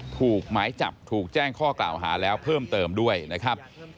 ถูกหมายจับถูกแจ้งข้อกล่าวหาแล้วเพิ่มเติมด้วยนะครับ